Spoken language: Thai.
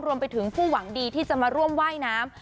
รวมไปถึงผู้หวังดีที่จะมาร่วมว่ายน้ำ